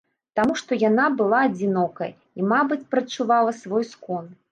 Таму што яна была адзінокая і, мабыць, прадчувала свой скон.